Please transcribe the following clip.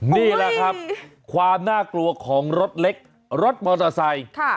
นี่แหละครับความน่ากลัวของรถเล็กรถมอเตอร์ไซค์